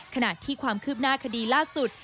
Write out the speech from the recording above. ขณะที่ความคืบหน้าคดีล่าสุด